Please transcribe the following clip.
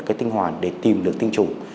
cái tinh hoàn để tìm được tinh trùng